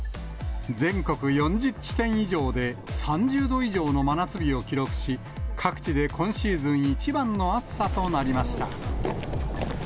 全国４０地点以上で３０度以上の真夏日を記録し、各地で今シーズン一番の暑さとなりました。